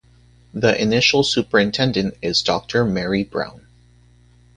The initial superintendent is Doctor Mary Brown.